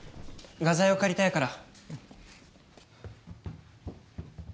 画材を借りたいから。